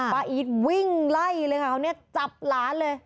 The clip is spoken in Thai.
ป้าอีดวิ่งไล่เลยค่ะเขาจับหลานเลย